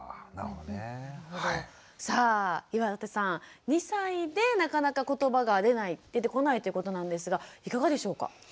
さあ岩立さん２歳でなかなかことばが出てこないということなんですがいかがでしょうか？